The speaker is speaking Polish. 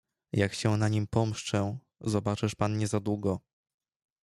"Jak się na nim pomszczę, zobaczysz pan niezadługo."